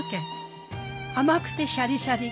甘くてシャリシャリ！